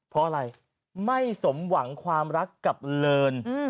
เพราะอะไรไม่สมหวังความรักกับเลิน